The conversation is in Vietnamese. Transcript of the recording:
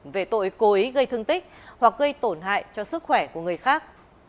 về tội cố ý gây thương tích hoặc gây tổn hại cho sức khỏe của người khác